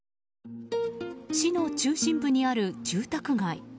市の中心部にある住宅街。